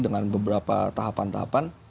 dengan beberapa tahapan tahapan